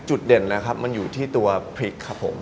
จุดเด่นนะครับมันอยู่ที่ตัวพริกครับผม